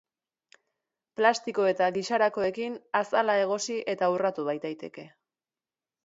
Plastiko eta gisarakoekin azala egosi eta urratu baitaiteke.